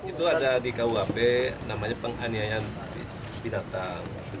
itu ada di kuhp namanya penganiayaan binatang